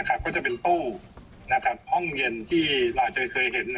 ก็จะเป็นตู้ห้องเย็นที่เราอาจจะเคยเห็น